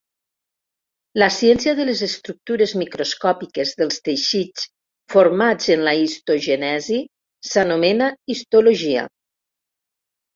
La ciència de les estructures microscòpiques dels teixits formats en la histogènesi s'anomena histologia.